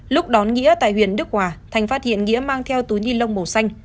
lúc đón nghĩa tại huyện đức hòa thanh phát hiện nghĩa mang theo túi nhi lông màu xanh